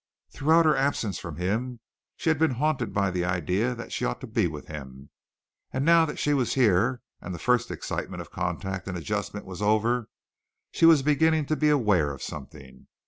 Throughout her absence from him she had been haunted by the idea that she ought to be with him, and now that she was here and the first excitement of contact and adjustment was over, she was beginning to be aware of something.